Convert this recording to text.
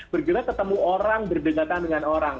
bergerak ketemu orang berdekatan dengan orang